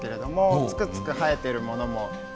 つくつく生えているもの